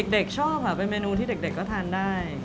เด็กชอบค่ะเป็นเมนูที่เด็กก็ทานได้